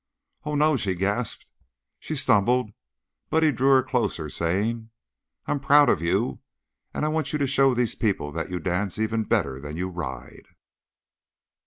"Oh, n no!" she gasped. She stumbled, but he drew her closer, saying: "I'm proud of you, and I want you to show these people that you dance even better than you ride."